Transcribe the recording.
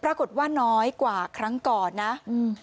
ปรากฏว่าน้อยกว่าครั้งก่อนนะอืม